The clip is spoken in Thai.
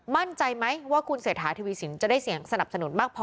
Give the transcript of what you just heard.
มั่นใจไหมว่าคุณเศรษฐาทวีสินจะได้เสียงสนับสนุนมากพอ